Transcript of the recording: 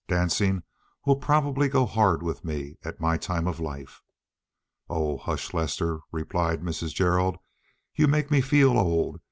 Dancing will probably go hard with me at my time of life." "Oh, hush, Lester," replied Mrs. Gerald. "You make me feel old.